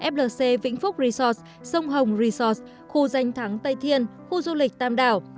flc vĩnh phúc resorts sông hồng resorts khu danh thắng tây thiên khu du lịch tam đảo